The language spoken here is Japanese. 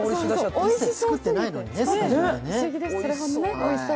おいしそう。